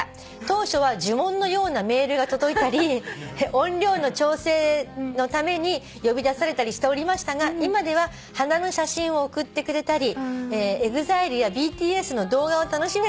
「当初は呪文のようなメールが届いたり音量の調整のために呼び出されたりしておりましたが今では花の写真を送ってくれたりＥＸＩＬＥやＢＴＳの動画を楽しめるようになりました」